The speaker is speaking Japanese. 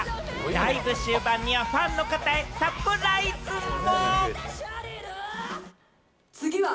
ライブ終盤にはファンの方へサプライズも！